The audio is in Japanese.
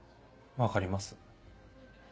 分かります？